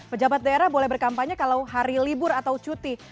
pejabat daerah boleh berkampanye kalau hari libur atau cuti